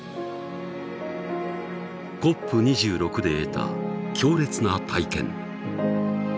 ＣＯＰ２６で得た強烈な体験。